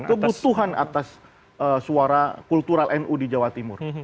kebutuhan atas suara kultural nu di jawa timur